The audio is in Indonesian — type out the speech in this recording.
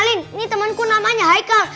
ini temenku namanya haikal